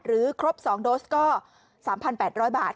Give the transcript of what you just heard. ครบ๒โดสก็๓๘๐๐บาท